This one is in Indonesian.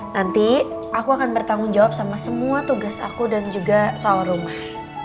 nanti aku akan bertanggung jawab sama semua tugas aku dan juga soal rumah